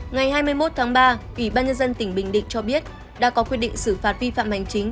ngày hai mươi một tháng ba ủy ban nhân dân tỉnh bình định cho biết đã có quyết định xử phạt vi phạm hành chính